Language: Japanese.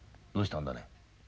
どうしたんだね？